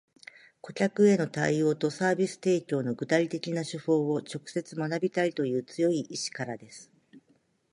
顧客への対応とサービス提供の具体的な手法を直接学びたいという強い意志からです